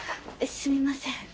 すみません。